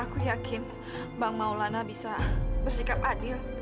aku yakin bang maulana bisa bersikap adil